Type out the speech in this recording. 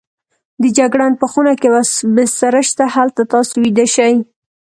د جګړن په خونه کې یوه بستره شته، هلته تاسې ویده شئ.